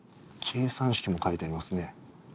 計算式も書いてありますね